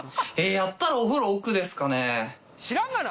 やったらお風呂奥ですかね。